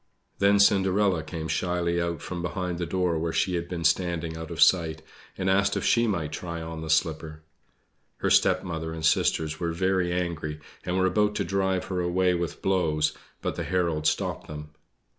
Then Cinderella came shyly out from behind the door where she had been standing out of sight, and asked if she might try on the slipper. Her stepmother and sisters were very angry, and were about to drive her away with blows, but the herald stopped them.